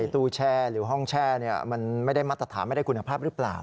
ตู้แช่หรือห้องแช่มันไม่ได้มาตรฐานไม่ได้คุณภาพหรือเปล่า